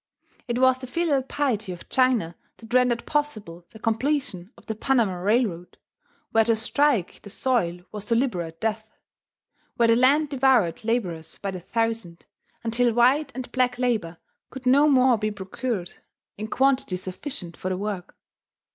It was the filial piety of China that rendered possible the completion of the Panama railroad, where to strike the soil was to liberate death, where the land devoured labourers by the thousand, until white and black labour could no more be procured in quantity sufficient for the work.